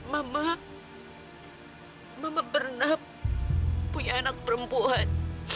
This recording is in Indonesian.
mama mama pernah punya anak perempuan